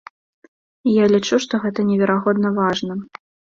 І я лічу, што гэта неверагодна важна.